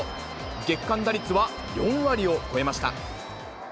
月間打率は４割を超えました。